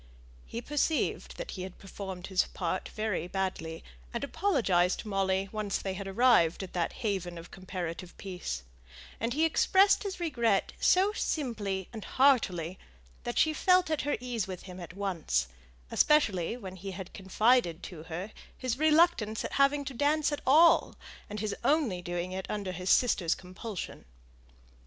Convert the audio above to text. He perceived that he had performed his part very badly, and apologized to Molly when once they had arrived at that haven of comparative peace; and he expressed his regret so simply and heartily that she felt at her ease with him at once, especially when he confided to her his reluctance at having to dance at all, and his only doing it under his sister's compulsion.